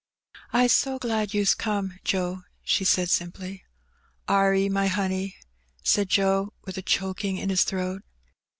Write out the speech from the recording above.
I^s so glad you's come, Joe,'' she said simply. Are 'e, my honey?'' said Joe, with a choking in his throat.